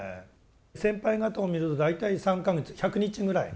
先輩方を見ると大体３か月１００日ぐらい。